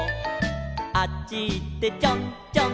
「あっちいってちょんちょん」